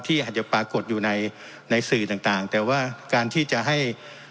อาจจะปรากฏอยู่ในสื่อต่างแต่ว่าการที่จะให้